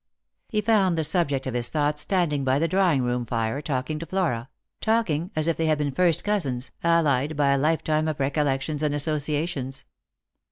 He found the subject of his thoughts standing by the draw ing room fire talking to Flora — talking as if they had been first cousins, allied by a lifetime of recollections and associations.